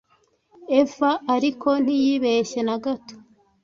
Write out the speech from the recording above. eva ariko ntiyibeshye nagato